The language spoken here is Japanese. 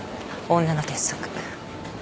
女の鉄則。